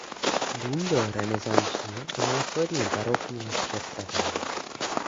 Dům byl renesančně a následně barokně přestavěn.